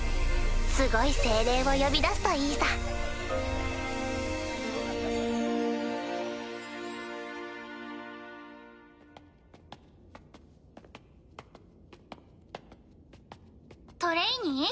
すごい精霊を呼び出すといいさ。トレイニー？